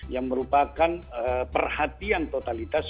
yang merupakan perhatian totalitas